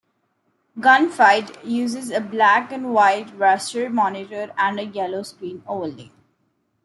"Gun Fight" uses a black-and-white raster monitor and a yellow screen overlay.